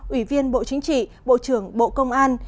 ủy viên bộ chính trị bộ trưởng bộ công an